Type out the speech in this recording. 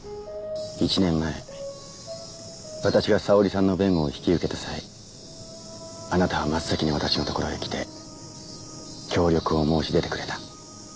１年前私が沙織さんの弁護を引き受けた際あなたは真っ先に私のところへ来て協力を申し出てくれた。